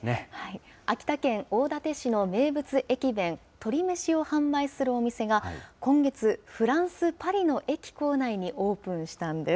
秋田県大館市の名物駅弁、鶏めしを販売するお店が今月、フランス・パリの駅構内にオープンしたんです。